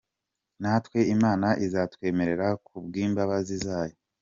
Natwe Imana izatwemera ku bw’imbabazi zayo.